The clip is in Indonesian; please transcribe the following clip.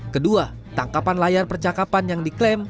kedua tangkapan layar percakapan yang diklaim